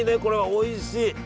おいしい！